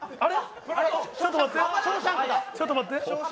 ちょっと待って。